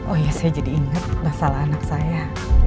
oh iya saya jadi inget masalah anak saya